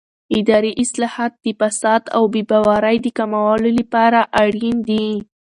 اداري اصلاحات د فساد او بې باورۍ د کمولو لپاره اړین دي